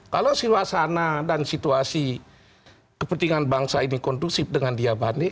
kalau suasana dan situasi kepentingan bangsa ini kondusif dengan dia banding